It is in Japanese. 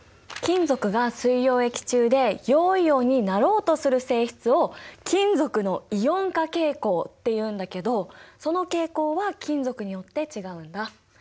金属が水溶液中で陽イオンになろうとする性質を金属のイオン化傾向っていうんだけどその傾向は金属によって違うんだ。